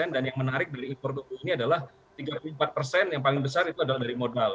dan yang menarik dari import ini adalah tiga puluh empat yang paling besar itu adalah dari modal